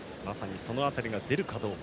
その辺りが出るかどうか。